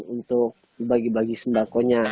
untuk bagi bagi sembakonya